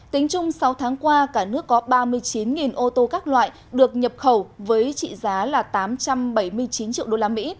tính chung sáu tháng qua cả nước có ba mươi chín ô tô các loại được nhập khẩu với trị giá là tám trăm bảy mươi chín triệu usd